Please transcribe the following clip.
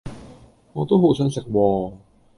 我都好想食喎